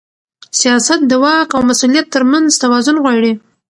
سیاست د واک او مسؤلیت ترمنځ توازن غواړي